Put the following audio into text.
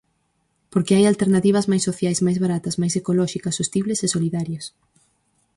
Porque hai alternativas máis sociais, máis baratas, máis ecolóxicas, sostibles e solidarias.